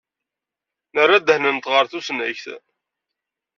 Nerra ddehn-nteɣ ɣer tusnakt.